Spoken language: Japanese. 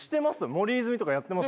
森泉とかやってます。